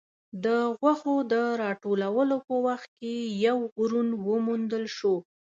د غوښو د راټولولو په وخت کې يو ورون وموندل شو.